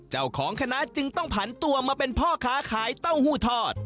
เจ้าของคณะจึงต้องผันตัวมาเป็นพ่อค้าขายเต้าหู้ทอด